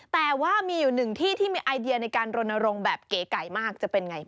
แต่ว่ามีอยู่หนึ่งที่ที่มีไอเดียในการรณรงค์แบบเก๋ไก่มากจะเป็นไง